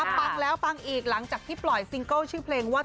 ปังแล้วปังอีกหลังจากที่ปล่อยซิงเกิลชื่อเพลงว่า